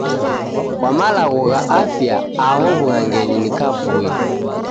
Kwa malagho gha afya aho wughangenyi ni kavui?